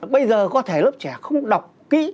bây giờ có thể lớp trẻ không đọc kĩ